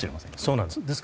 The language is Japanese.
そうなんです。